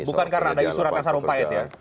bukan karena ada isu ratna sarumpait ya